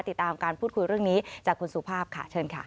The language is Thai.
ติดตามการพูดคุยเรื่องนี้จากคุณสุภาพค่ะเชิญค่ะ